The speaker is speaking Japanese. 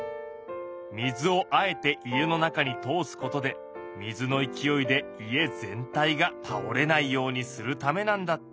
水をあえて家の中に通すことで水の勢いで家全体がたおれないようにするためなんだって。